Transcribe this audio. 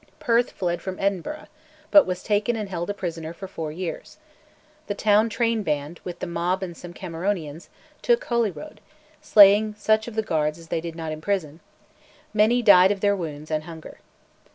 Perth fled from Edinburgh, but was taken and held a prisoner for four years; the town train band, with the mob and some Cameronians, took Holyrood, slaying such of the guard as they did not imprison; "many died of their wounds and hunger."